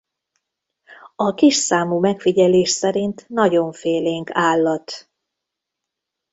A kis számú megfigyelés szerint nagyon félénk állat.